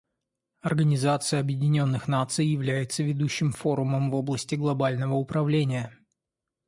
Организация Объединенных Наций является ведущим форумом в области глобального управления.